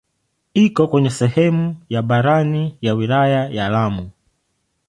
Iko kwenye sehemu ya barani ya wilaya ya Lamu.